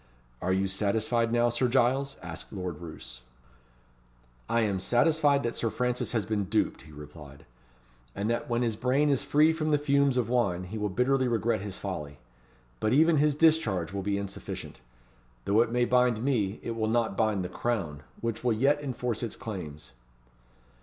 "Are you satisfied now, Sir Giles?" asked Lord Roos. "I am satisfied that Sir Francis has been duped," he replied, "and that when his brain is free from the fumes of wine, he will bitterly regret his folly. But even his discharge will be insufficient. Though it may bind me, it will not bind the Crown, which will yet enforce its claims."